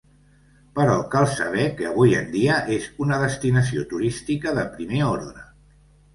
Però cal saber que avui en dia és una destinació turística de primer ordre.